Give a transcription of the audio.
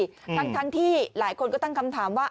ทั้งที่หลายคนก็ตั้งคำถามว่า